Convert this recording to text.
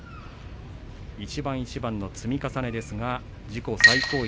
一番一番の積み重ねですが自己最高位。